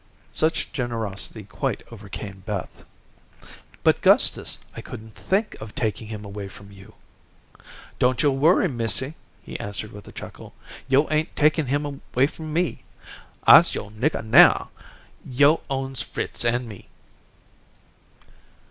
Such generosity quite overcame Beth. "But, Gustus, I couldn't think of taking him away from you." "Don't yo' worry, missy," he answered with a chuckle. "Yo' ain't takin' him 'way from me. I'se yo'r niggah now. Yo' owns Fritz an' me."